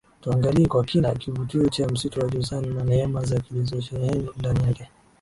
Tuangalie kwa kina kivutio cha Msitu wa Jozani na neema za zilizosheheni ndani yake